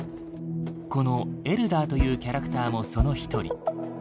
このエルダーというキャラクターもその一人。